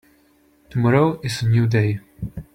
Tomorrow is a new day.